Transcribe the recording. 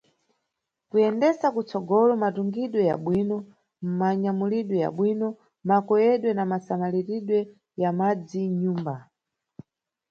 Kuyendesa kutsogolo matungidwe yabwino, manyamulidwe yabwino, makoyedwe na masamaliridwe ya madzi nʼnyumba.